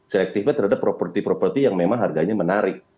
seektifnya terhadap properti properti yang memang harganya menarik